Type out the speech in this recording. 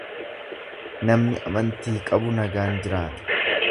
Namni amantii qabu nagaan jiraata.